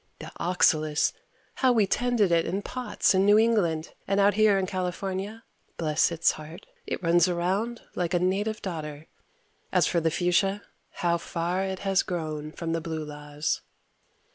The oxalis! How we tended it in pots in New England, and out here in California, bless its heart, it runs around like a native daughter. And as for the fuchsia, how far it has grown from the blue laws.